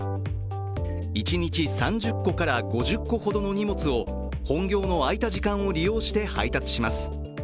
一日３０個から５０個ほどの荷物を本業の空いた時間を利用して配達します。